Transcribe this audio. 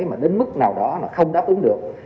mà đến mức nào đó là không đáp ứng được